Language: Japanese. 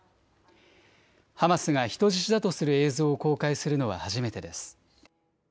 ハマスが人質だとする映像を公開するのは初めてです。